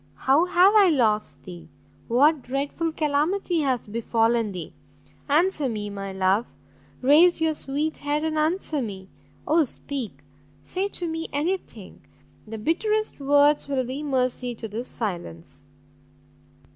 how have I lost thee? what dreadful calamity has befallen thee? answer me, my love! raise your sweet head and answer me! oh speak! say to me any thing; the bitterest words will be mercy to this silence!"